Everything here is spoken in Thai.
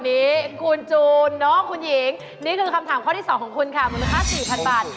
นี่คือคำถามข้อที่สองของคุณค่ะมูลค่า๔๐๐๐บาท